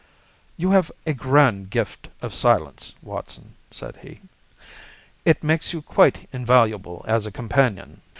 "You have a grand gift of silence, Watson," said he. "It makes you quite invaluable as a companion.